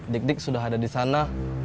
dik dik sudah ada disana